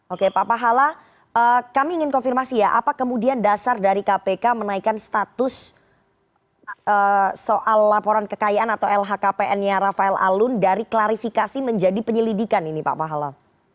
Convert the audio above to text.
oke pak pahala kami ingin konfirmasi ya apa kemudian dasar dari kpk menaikkan status soal laporan kekayaan atau lhkpn nya rafael alun dari klarifikasi menjadi penyelidikan ini pak pahala